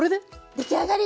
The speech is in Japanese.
出来上がり！